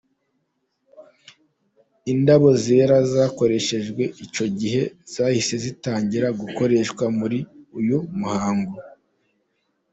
Indabo zera zakoreshejwe icyo gihe zahise zitangira gukoreshwa muri uyu muhango.